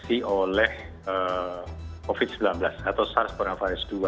terinfeksi oleh covid sembilan belas atau sars cov dua